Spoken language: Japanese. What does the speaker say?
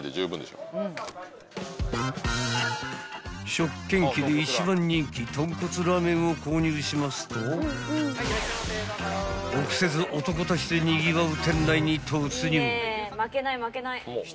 ［食券機で一番人気とんこつラーメンを購入しますと臆せず男たちでにぎわう店内に突入］